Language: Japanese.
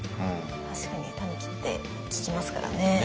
確かにたぬきって聞きますからね。